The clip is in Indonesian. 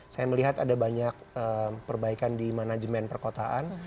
saya melihat ada banyak perbaikan di manajemen perkotaan